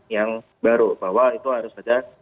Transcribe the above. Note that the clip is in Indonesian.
yang baru bahwa itu harus ada